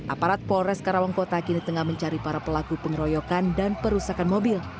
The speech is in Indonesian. aparat polres karawang kota kini tengah mencari para pelaku pengeroyokan dan perusakan mobil